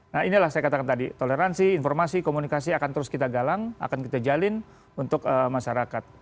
nah inilah saya katakan tadi toleransi informasi komunikasi akan terus kita galang akan kita jalin untuk masyarakat